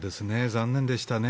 残念でしたね。